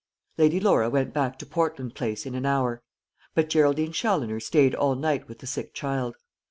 Lady Laura went back to Portland place in an hour; but Geraldine Challoner stayed all night with the sick child.